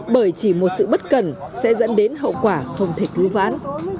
bởi chỉ một sự bất cần sẽ dẫn đến hậu quả không thể cứu vãn